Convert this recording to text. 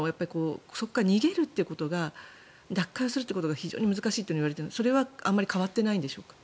そこから逃げるということが脱会するということが非常に難しいといわれていてそれはあまり変わってないんでしょうか。